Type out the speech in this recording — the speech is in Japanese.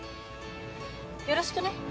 よろしくね。